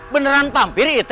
beneran pampir it